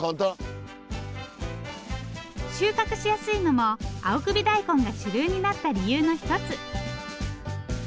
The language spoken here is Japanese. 収穫しやすいのも青首大根が主流になった理由の一つ。